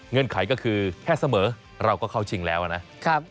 เงื่อนไขก็คือแค่เสมอเราก็เข้าจริงแล้วนะครับ